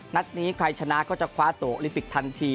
นัดนี้ใครชนะก็จะคว้าตัวโอลิมปิกทันที